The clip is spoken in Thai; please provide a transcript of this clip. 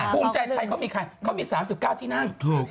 ภูมิใจไทยเขามีใครเขามี๓๙ที่นั่ง